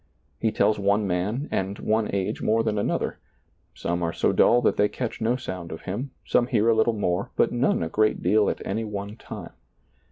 He tells one man and one age more than another ; some are so dull that they catch no sound of Him, some hear a little more, but none a great deal at any one time.